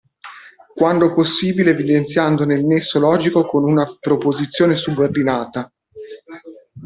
Quando possibile evidenziandone il nesso logico con una proposizione subordinata.